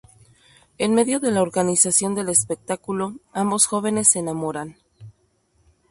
En medio de la organización del espectáculo, ambos jóvenes se enamoran.